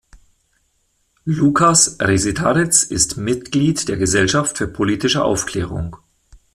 Lukas Resetarits ist Mitglied der Gesellschaft für politische Aufklärung.